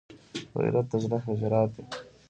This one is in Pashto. غیرت د زړه جرأت دی